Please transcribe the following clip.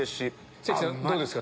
関さんどうですか？